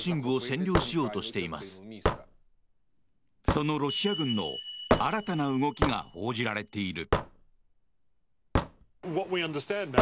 そのロシア軍の新たな動きが報じられている。